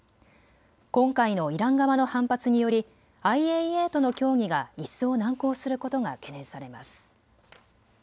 今回のイラン側の反発によりＩＡＥＡとの協議が一層難航することが懸念されます。